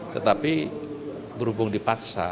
tetapi berhubung dipaksa